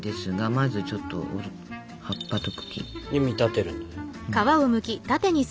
まずちょっと葉っぱと茎。に見立てるんだ。